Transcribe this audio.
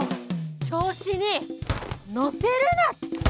調子に乗せるな！